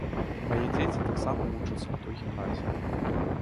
Мае дзеці таксама вучацца ў той гімназіі.